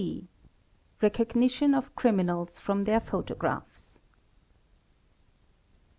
C. Recognition of Criminals from their Photographs.